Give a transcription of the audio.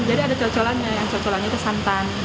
jadi ada cocolannya yang cocolannya itu santan